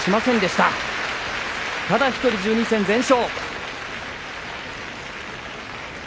ただ１人１２戦全勝。